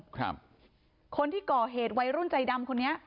คนที่ก่อเหตุวัยรุ่นใจดำคนนี้